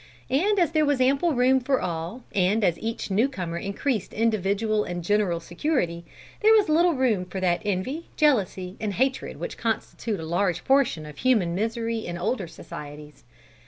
And as there was ample room for all, and as each new comer increased individual and general security, there was little room for that envy, jealousy and hatred which constitute a large portion of human misery in older societies.